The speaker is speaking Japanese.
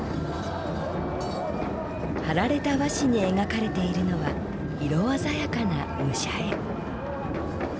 貼られた和紙に描かれているのは色鮮やかな武者絵。